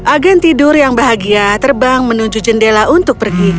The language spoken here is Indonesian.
agen tidur yang bahagia terbang menuju jendela untuk pergi